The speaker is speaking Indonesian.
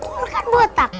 tuyul kan botak